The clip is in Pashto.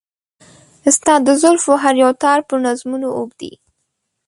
ستا د زلفو هر يو تار په نظمونو و اوبدي .